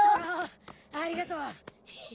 「ありがとうヘヘ」